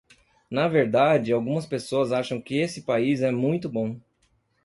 Na verdade, algumas pessoas acham que esse país é muito bom.